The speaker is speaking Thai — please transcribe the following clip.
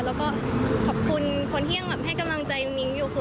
แล้วก็ขอบคุณคนที่ยังแบบให้กำลังใจมิ้งอยู่คือ